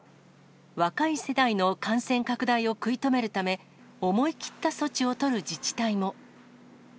若い世代の感染拡大を食い止めるため、思い切った措置をとる自治体も。